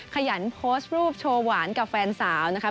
ขยันโพสต์รูปโชว์หวานกับแฟนสาวนะคะ